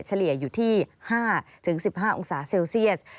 เฉลี่ยอยู่ที่๕๑๕องศาเซลเซียส